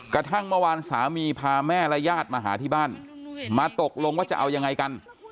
กระทั่งเมื่อวานสามีพาแม่และญาติมาหาที่บ้านมาตกลงว่าจะเอายังไงกัน